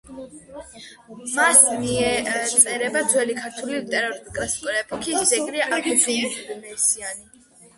მას მიეწერება ძველი ქართული ლიტერატურის კლასიკური ეპოქის ძეგლი „აბდულმესიანი“.